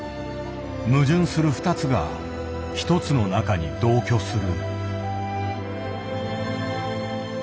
矛盾する二つが一つの中に同居する。